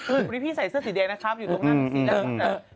วันนี้พี่ใส่เสื้อสีแดงนะครับอยู่ตรงนั้นสีดำ